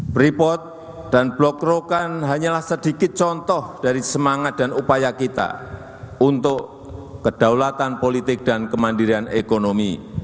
berikut adalah beberapa contoh dari semangat dan upaya kita untuk kedaulatan politik dan kemandirian ekonomi